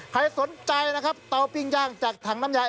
ใครสนใจเหาะปิ้งย่างจากถังน้ำยาแอร์